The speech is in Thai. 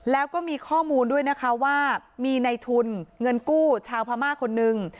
แล้วก็มีข้อมูลด้วยนะคะว่ามีในทุนเงินกู้ชาวพม่าคนนึง